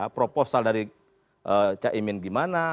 proposal dari cak imin bagaimana